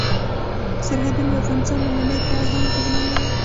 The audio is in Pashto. سرحدونه د افغانستان د امنیت په اړه هم اغېز لري.